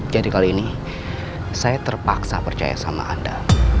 jadi kali ini saya terpaksa percaya sama anda